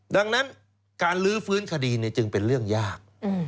ดังนั้นการลื้อฟื้นคดีจึงเป็นเรื่องยาก